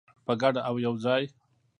په ګډه او یوځای.